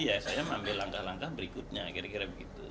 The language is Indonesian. ya saya mengambil langkah langkah berikutnya kira kira begitu